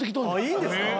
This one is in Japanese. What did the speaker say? いいんですか？